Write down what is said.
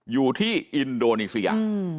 อยู่ที่อินโดนีเซีย